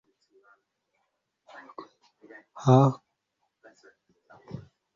cy isoko kandi yishyurwa ari uko uwatsindiye